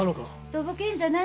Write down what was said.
とぼけんじゃないよ！